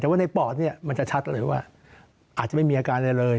แต่ว่าในปอดเนี่ยมันจะชัดเลยว่าอาจจะไม่มีอาการอะไรเลย